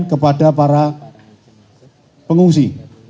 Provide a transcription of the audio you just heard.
kepada para pengungsi